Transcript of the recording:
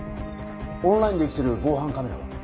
オンラインで生きてる防犯カメラは？